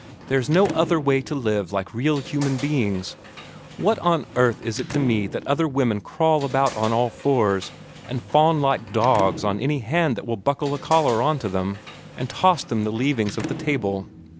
There is no other way to live like real human beings. What on earth is it to me that other women crawl about on all fours, and fawn like dogs on any hand that will buckle a collar onto them, and toss them the leavings of the table?